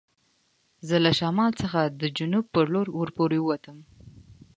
زه له شمال څخه د جنوب په لور ور پورې و وتم.